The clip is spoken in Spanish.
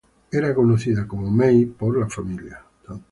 Era conocida por May por la familia.